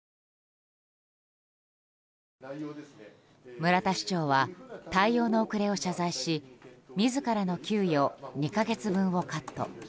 村田市長は対応の遅れを謝罪し自らの給与２か月分をカット。